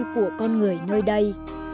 của con người nơi đây